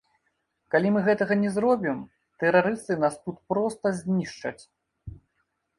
Калі мы гэтага не зробім, тэрарысты нас тут проста знішчаць.